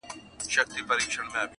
• دا وزن دروند اُمي مُلا مات کړي,